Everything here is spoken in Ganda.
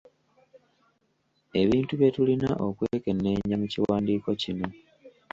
Ebintu bye tulina okwekenneenya mu kiwandiiko kino.